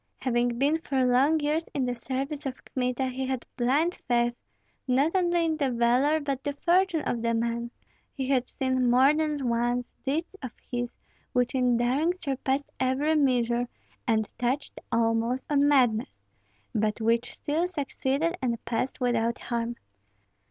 Having been for long years in the service of Kmita, he had blind faith, not only in the valor, but the fortune of the man; he had seen more than once deeds of his which in daring surpassed every measure, and touched almost on madness, but which still succeeded and passed without harm.